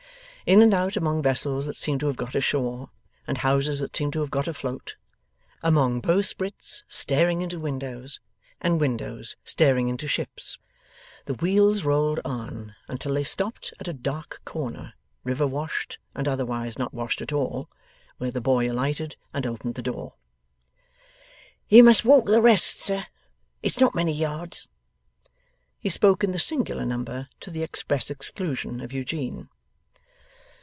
In and out among vessels that seemed to have got ashore, and houses that seemed to have got afloat among bow splits staring into windows, and windows staring into ships the wheels rolled on, until they stopped at a dark corner, river washed and otherwise not washed at all, where the boy alighted and opened the door. 'You must walk the rest, sir; it's not many yards.' He spoke in the singular number, to the express exclusion of Eugene.